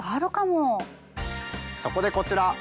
そこでこちら。